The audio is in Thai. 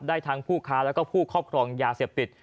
ได้ทั้งผู้ค้าและผู้ครอบครองยาเสพติด